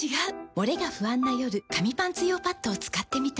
モレが不安な夜紙パンツ用パッドを使ってみた。